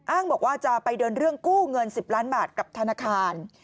อ้างบอกว่าจะไปเดินเรื่องกู้เงิน๑๐ล้านบาทกับธนาคาร